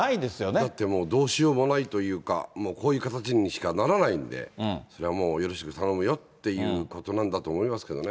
だってもうどうしようもないというか、もうこういう形にしかならないんで、それはもうよろしく頼むよということなんだろうと思いますけどね。